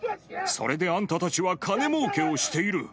それであんたたちは金もうけをしている。